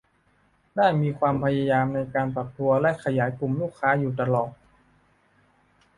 ได้มีความพยายามในการปรับตัวและขยายกลุ่มลูกค้าอยู่ตลอด